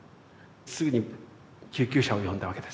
すぐに救急車を呼んだわけです。